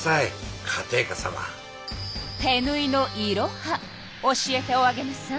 手ぬいのいろは教えておあげなさい。